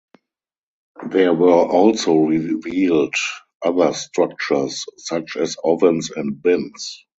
There were also revealed other structures such as ovens and bins.